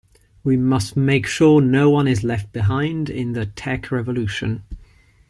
We must make sure no one is left behind in the tech revolution.